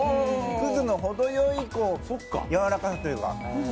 くずのほどよいやわらかさというか。